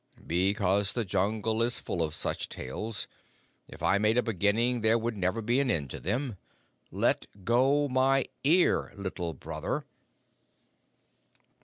"Because the Jungle is full of such tales. If I made a beginning there would never be an end to them. Let go my ear, Little Brother."